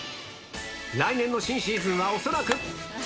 来年の新シーズンは恐らく。